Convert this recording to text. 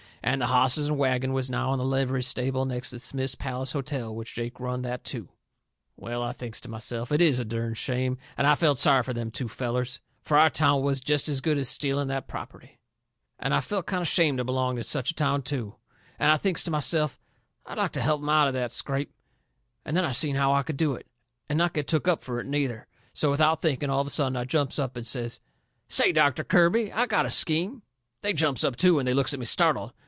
And the hosses and wagon was now in the livery stable next to Smith's Palace Hotel, which Jake run that too. Well, I thinks to myself, it IS a dern shame, and I felt sorry fur them two fellers. Fur our town was jest as good as stealing that property. And I felt kind o' shamed of belonging to such a town, too. And I thinks to myself, I'd like to help 'em out of that scrape. And then I seen how I could do it, and not get took up fur it, neither. So, without thinking, all of a sudden I jumps up and says: "Say, Doctor Kirby, I got a scheme!" They jumps up too, and they looks at me startled.